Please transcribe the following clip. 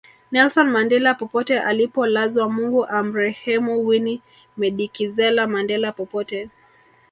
Nelson Mandela popote alipolazwa Mungu amrehemu Winnie Medikizela Mandela popote